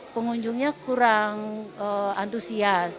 pengunjungnya kurang antusias